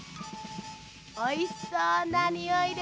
おいしそうなにおいですね。